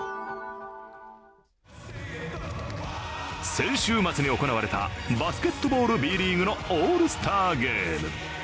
先週末に行われたバスケットボールＢリーグのオールスターゲーム。